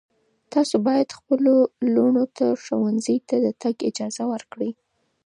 تاسو باید خپلو لوڼو ته ښوونځي ته د تګ اجازه ورکړئ.